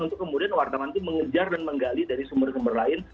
untuk kemudian wartawan itu mengejar dan menggali dari sumber sumber lain